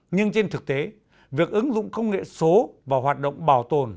nhưng trên thực tế việc ứng dụng công nghệ số vào hoạt động bảo tồn